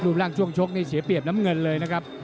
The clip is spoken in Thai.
ร่างช่วงชกนี่เสียเปรียบน้ำเงินเลยนะครับ